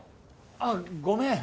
あっごめん